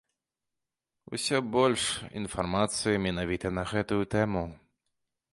Усё больш інфармацыі менавіта на гэтую тэму.